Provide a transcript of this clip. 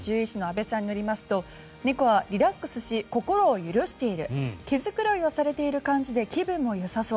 阿部さんによりますと猫はリラックスし心を許している毛繕いをされている感じで気分もよさ